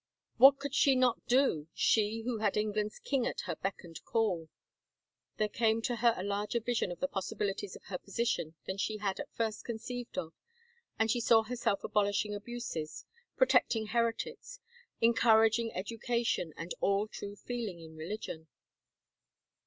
What could she not do, she who had England's king at her beck and call! There came to her a larger vision of the possibilities of her position than she had at first conceived df and she saw herself abolishing abuses, pro tecting heretics, encouraging education and all true feel ing in religion.